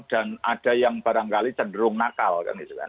dan ada yang barangkali cenderung nakal